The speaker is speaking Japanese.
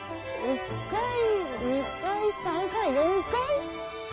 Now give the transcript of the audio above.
１階２階３階４階？